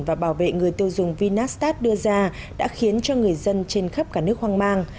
và bảo vệ người tiêu dùng vinastat đưa ra đã khiến cho người dân trên khắp cả nước hoang mang